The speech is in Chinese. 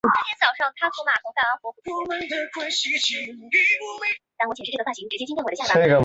澳洲白尾鼠属等之数种哺乳动物。